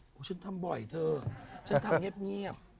อ๋อผมทำบ่อยเธอผมทำเงียบ